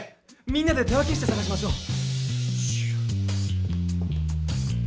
みんなで手分けして探しましょう。